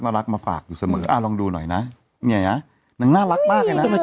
รักมาฝากอยู่เสมออ่าลองดูหน่อยนะเนี่ยนางน่ารักมากเลยนะ